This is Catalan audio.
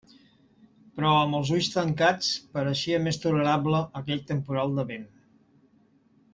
Però amb els ulls tancats pareixia més tolerable aquell temporal de vent.